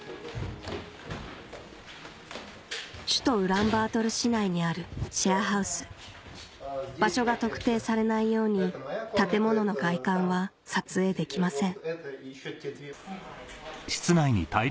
首都ウランバートル市内にあるシェアハウス場所が特定されないように建物の外観は撮影できません